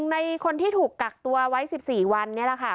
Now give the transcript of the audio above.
ในคนที่ถูกกักตัวไว้๑๔วันนี้แหละค่ะ